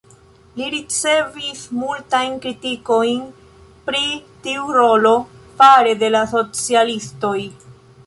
Li ricevis multajn kritikojn pri tiu rolo fare de la socialistoj.